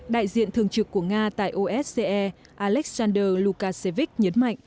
đại diện thường trực của nga tại osce alexander lukasevich nhấn mạnh